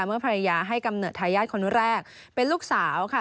เมื่อภรรยาให้กำเนิดทายาทคนแรกเป็นลูกสาวค่ะ